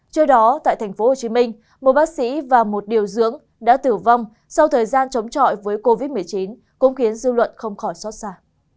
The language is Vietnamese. trước đó tại tp hcm một bác sĩ và một điều dưỡng đã tử vong sau thời gian chống chọi với covid một mươi chín cũng khiến dư luận không khỏi xót xa